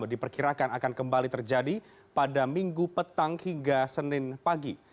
diperkirakan akan kembali terjadi pada minggu petang hingga senin pagi